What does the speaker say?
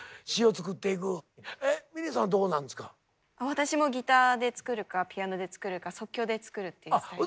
私もギターで作るかピアノで作るか即興で作るっていうスタイル。